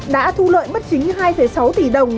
đã thu lợi bất chính hai sáu tỷ đồng